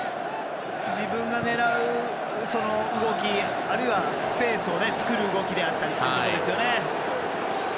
自分が狙う動きあるいはスペースを作る動きであったりですよね。